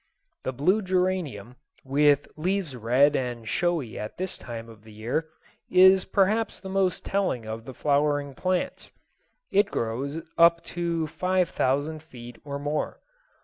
The blue geranium, with leaves red and showy at this time of the year, is perhaps the most telling of the flowering plants. It grows up to five thousand feet or more.